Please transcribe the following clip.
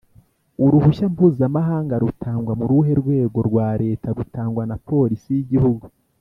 uruhushya mpuzamahanga rutangwa muruhe rwego rwa leta?rutangwa na police y’igihugu